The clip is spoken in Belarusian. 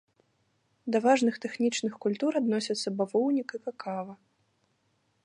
Да важных тэхнічных культур адносяцца бавоўнік і какава.